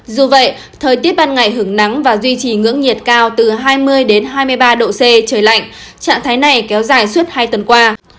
dù vậy thời tiết ban ngày hưởng nắng và duy trì ngưỡng nhiệt cao từ hai mươi hai mươi ba độ c trời lạnh trạng thái này kéo dài suốt hai tuần qua